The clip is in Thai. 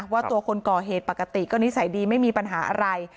ว่าตัวคนก่อเหตุปกติก็นิสัยดีไม่มีปัญหาอะไร